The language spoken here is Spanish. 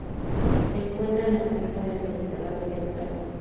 Se encuentra en la Cuenca del Mediterráneo oriental.